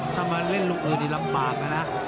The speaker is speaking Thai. ถ้ามาเล่นลูกอื่นนี่ลำบากนะนะ